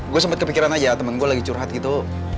gue sempat kepikiran aja temen gue lagi curhat gitu